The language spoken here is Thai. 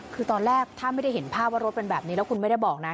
คือตอนแรกถ้าไม่ได้เห็นภาพว่ารถเป็นแบบนี้แล้วคุณไม่ได้บอกนะ